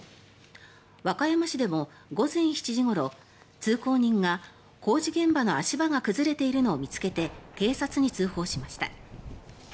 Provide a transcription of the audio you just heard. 和歌山市でも午前７時ごろ通行人が工事現場の足場が崩れているのを見つけて警察に通報しました。